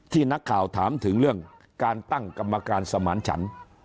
นักข่าวถามถึงเรื่องการตั้งกรรมการสมานฉัน